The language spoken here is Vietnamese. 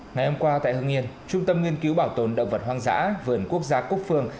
ngày hôm qua tại hương yên trung tâm nghiên cứu bảo tồn động vật hoang dã vườn quốc gia cúc phương